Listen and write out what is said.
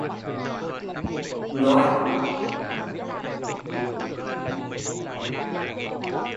Trinh mỉm cười đôi mắt ánh lên long lanh Trinh liền khẽ đáp